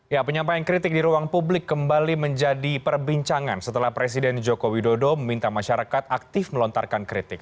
ya penyampaian kritik di ruang publik kembali menjadi perbincangan setelah presiden joko widodo meminta masyarakat aktif melontarkan kritik